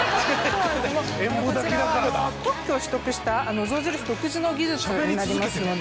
特許を取得した象印独自の技術になりますので。